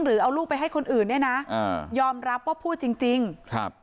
หรือเอาลูกไปให้คนอื่นเนี่ยนะอ่ายอมรับว่าพูดจริงจริงครับ